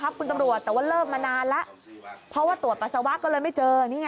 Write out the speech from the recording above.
ครับคุณตำรวจแต่ว่าเลิกมานานแล้วเพราะว่าตรวจปัสสาวะก็เลยไม่เจอนี่ไง